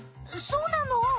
そうなの？